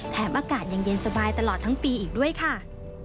อากาศยังเย็นสบายตลอดทั้งปีอีกด้วยค่ะ